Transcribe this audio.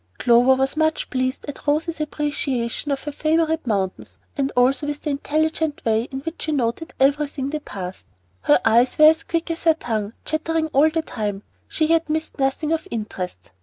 Clover was much pleased at Rose's appreciation of her favorite mountain, and also with the intelligent way in which she noted everything they passed. Her eyes were as quick as her tongue; chattering all the time, she yet missed nothing of interest.